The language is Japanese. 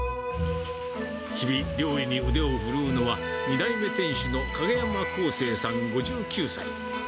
日々、料理に腕を振るうのは、２代目店主の影山光世さん５９歳。